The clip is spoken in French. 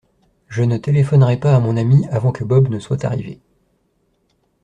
Je ne téléphonerai pas à mon ami avant que Bob ne soit arrivé.